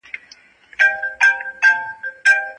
او عزت تل د ارزانه خلکو کار نه وي.